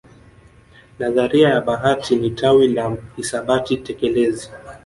Nadharia ya bahati ni tawi la hisabati tekelezi